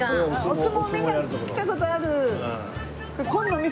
お相撲見に来た事ある！